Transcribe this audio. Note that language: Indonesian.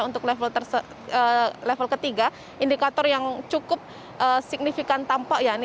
dan untuk level ketiga indikator yang cukup signifikan tampak